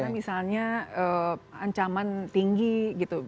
misalnya ancaman tinggi gitu